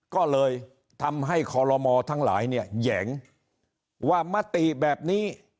ก็เลยทำให้คอลโลมอทั้งหลายเนี่ยแหยงว่ามติแบบนี้